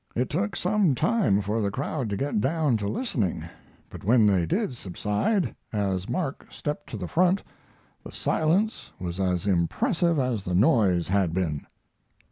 It took some time for the crowd to get down to listening, but when they did subside, as Mark stepped to the front, the silence was as impressive as the noise had been.